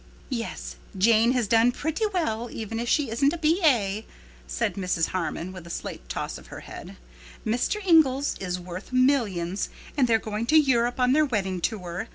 "Yes, Jane has done pretty well, even if she isn't a B.A.," said Mrs. Harmon, with a slight toss of her head. "Mr. Inglis is worth millions, and they're going to Europe on their wedding tour.